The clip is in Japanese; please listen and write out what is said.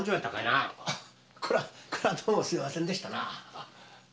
あっこれはこれはどうもすいませんでしたなぁ。